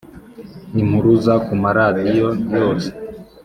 Impuruza kuma radio yose